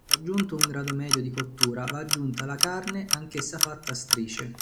Raggiunto un grado medio di cottura va aggiunta la carne, anch'essa fatta a strisce.